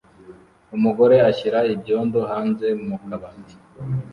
Umugore ashyira ibyombo hanze mu kabati